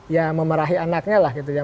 ya memarahi anaknya lah gitu ya